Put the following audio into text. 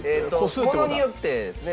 ものによってですね。